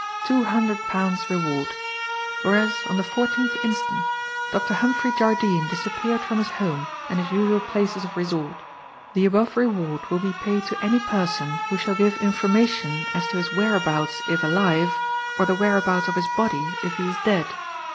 TWO HUNDRED POUNDS REWARD. "Whereas, on the 14th inst., Dr. Humphrey Jardine disappeared from his home and his usual places of resort; the above reward will be paid to any person who shall give information as to his whereabouts, if alive, or the whereabouts of his body if he is dead.